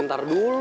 yaudah tinggal aja